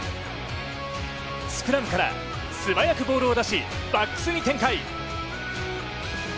スクラムから素早くボールを出しバックスに展開。